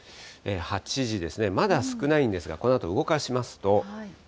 ８時ですね、まだ少ないんですが、このあと動かしますと。